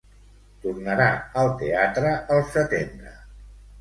Tornarà al teatre al setembre.